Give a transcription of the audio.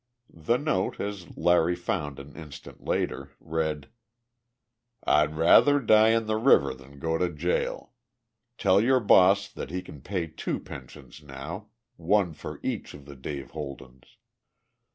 The note, as Larry found an instant later, read: I'd rather die in the river than go to jail. Tell your boss that he can pay two pensions now one for each of the Dave Holdens.